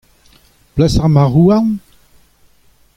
Plas ar marcʼhoù-houarn ?